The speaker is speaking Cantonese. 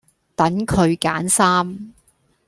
等佢揀衫